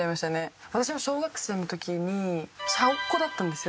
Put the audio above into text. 私は小学生の時にちゃおっ娘だったんですよ。